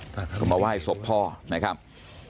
เข้ามาไหว้ศพพ่อนะครับ